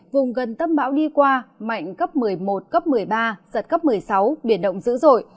vùng gần tâm bão đi qua mạnh cấp một mươi một cấp một mươi ba giật cấp một mươi sáu biển động dữ dội